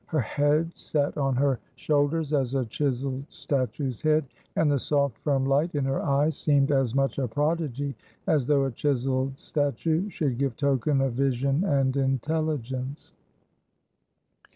Her head sat on her shoulders as a chiseled statue's head; and the soft, firm light in her eye seemed as much a prodigy, as though a chiseled statue should give token of vision and intelligence.